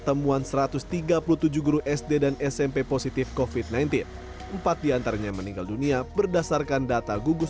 temuan satu ratus tiga puluh tujuh guru sd dan smp positif kofit sembilan belas empat diantaranya meninggal dunia berdasarkan data gugus